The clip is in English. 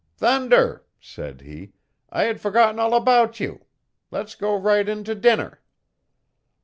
'Thunder!' said he, 'I had forgotten all about you. Let's go right in to dinner.